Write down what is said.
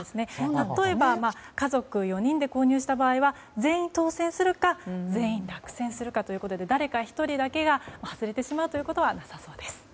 例えば家族４人で購入した場合は全員当選するか全員落選するかということで誰か１人だけが外れてしまうことはなさそうです。